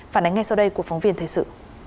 phản ánh ngay sau đây của phóng viên thời sự